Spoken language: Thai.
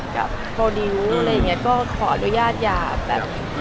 โปรดิวต์อะไรอย่างเงี้ยก็ขออนุญาตอย่าแบบ